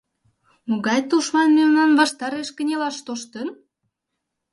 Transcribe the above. — Могай тушман мемнан ваштареш кынелаш тоштын?